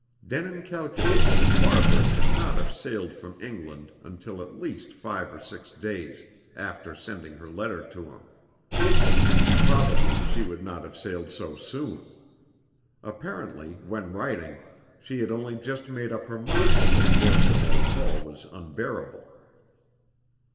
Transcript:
Denin calculated that Barbara could not have sailed from England until at least five or six days after sending her letter to him. Probably she would not have sailed so soon. Apparently, when writing, she had only just made up her mind that Gorston Old Hall was unbearable.